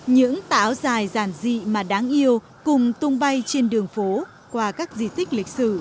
những tả áo dài giản dị mà đáng yêu cùng tung bay trên đường phố qua các di tích lịch sử